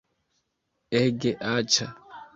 Ege aĉa